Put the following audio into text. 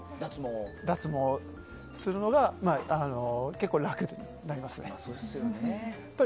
脱毛すると結構楽になりますね。